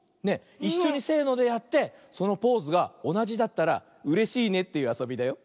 いっしょにせのでやってそのポーズがおなじだったらうれしいねというあそびだよ。